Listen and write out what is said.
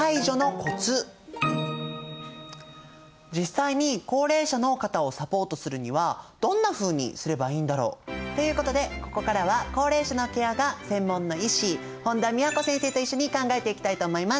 実際に高齢者の方をサポートするにはどんなふうにすればいいんだろう？ということでここからは高齢者のケアが専門の医師本田美和子先生と一緒に考えていきたいと思います。